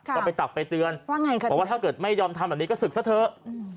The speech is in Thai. ก็ไปตักไปเตือนว่าถ้าเกิดไม่ยอมทำแบบนี้ก็ศึกซะเถอะ